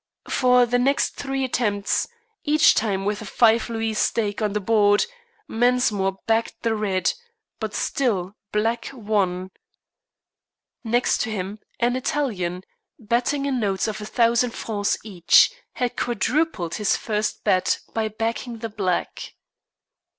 For the next three attempts, each time with a five louis stake on the board, Mensmore backed the red, but still black won. Next to him, an Italian, betting in notes of a thousand francs each, had quadrupled his first bet by backing the black.